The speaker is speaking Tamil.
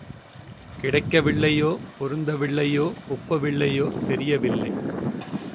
கிடைக்க வில்லையோ, பொருந்தவில்லையோ, ஒப்பவில்லையோ தெரியவில்லை.